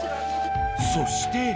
そして。